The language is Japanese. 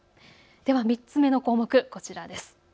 ３つ目の項目は、こちらです。